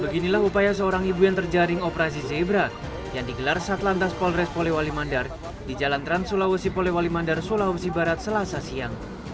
beginilah upaya seorang ibu yang terjaring operasi zebra yang digelar saat lantas polres polewali mandar di jalan trans sulawesi polewali mandar sulawesi barat selasa siang